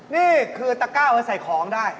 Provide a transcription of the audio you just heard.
นี่คือตะกร้าเอาไว้ใส่ของได้